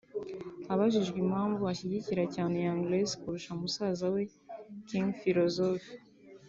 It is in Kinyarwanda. Abajijwe impamvu ashyigikira cyane Young Grace kurusha musaza we King Philosophe